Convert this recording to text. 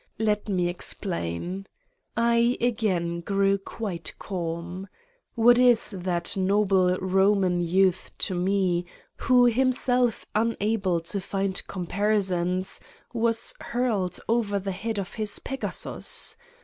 Let me explain: I again grew quite calm. What is that noble Eoman youth to me, 92 Satan's Diary who himself unable to find comparisons was hurled over the head of his Pegasus?